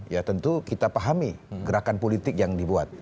ya tentu kita pahami gerakan politik yang dibuat